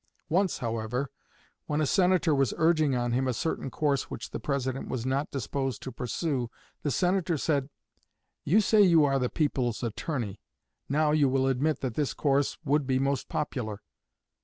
Once, however, when a Senator was urging on him a certain course which the President was not disposed to pursue, the Senator said, "You say you are the people's attorney. Now, you will admit that this course would be most popular."